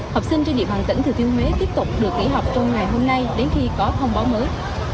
học sinh trên địa bàn tỉnh thừa thiên huế tiếp tục được kỹ học trong ngày hôm nay đến khi có thông báo mới